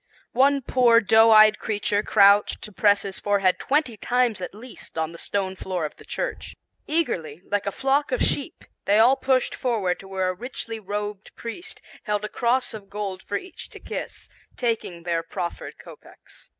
One poor doe eyed creature crouched to press his forehead twenty times at least on the stone floor of the church. Eagerly, like a flock of sheep, they all pushed forward to where a richly robed priest held a cross of gold for each to kiss, taking their proffered kopeks.